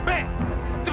bawa sini diajak